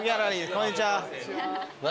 こんにちは。